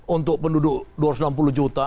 untuk penduduk dua ratus enam puluh juta